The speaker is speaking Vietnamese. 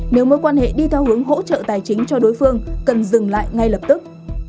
nếu mối quan hệ đi theo hướng hỗ trợ tài chính cho đối phương cần dừng lại ngay lập tức